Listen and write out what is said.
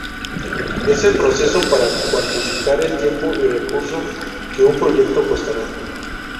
Es el proceso para cuantificar el tiempo y recursos que un proyecto costará.